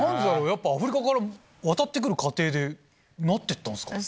やっぱアフリカから渡って来る過程でなって行ったんですか？